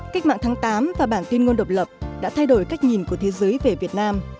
cách mạng tháng tám và bản tin ngôn độc lập đã thay đổi cách nhìn của thế giới về việt nam